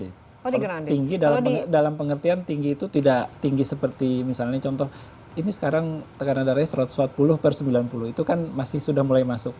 tinggi dalam pengertian tinggi itu tidak tinggi seperti misalnya contoh ini sekarang tekanan darahnya satu ratus empat puluh per sembilan puluh itu kan masih sudah mulai masuk